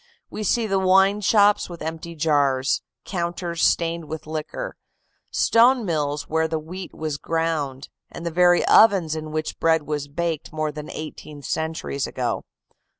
We see the wine shops with empty jars, counters stained with liquor, stone mills where the wheat was ground, and the very ovens in which bread was baked more than eighteen centuries ago.